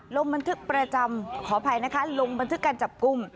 ลงบันทึกประจำขออภัยนะคะลงบันทึกการจับกลุ่ม